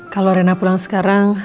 kalau rena pulang sekarang